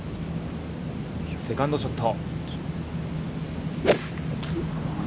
セカンドショット。